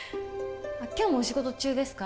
今日もお仕事中ですか？